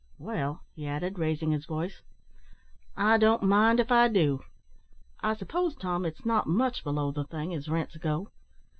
Well," he added, raising his voice, "I don't mind if I do. I suppose, Tom, it's not much below the thing, as rents go!"